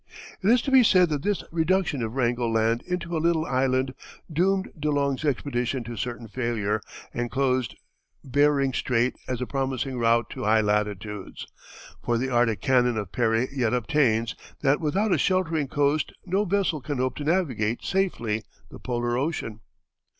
It is to be said that this reduction of Wrangel Land into a little island doomed De Long's expedition to certain failure and closed Behring Strait as a promising route to high latitudes; for the arctic canon of Parry yet obtains, that without a sheltering coast no vessel can hope to navigate safely the Polar Ocean.